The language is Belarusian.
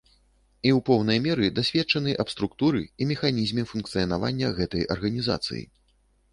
І ў поўнай меры дасведчаны аб структуры і механізме функцыянавання гэтай арганізацыі.